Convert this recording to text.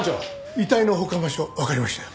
遺体の保管場所わかりましたよ。